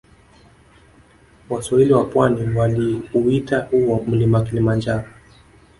Waswahili wa pwani waliuita huo mlima kilimanjaro